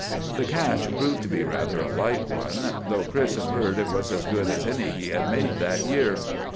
"The catch proved to be rather a light one, though Chris averred it was as good as any he had made that year.